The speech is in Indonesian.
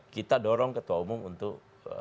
kita dorong ketua umum untuk